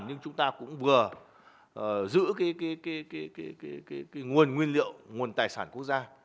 nhưng chúng ta cũng vừa giữ nguồn nguyên liệu nguồn tài sản quốc gia